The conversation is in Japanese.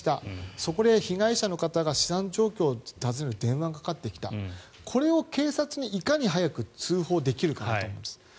そこで被害者の方に資産状況を尋ねる電話がかかってきたこれを警察にいかに早く通報できるかだと思うんです。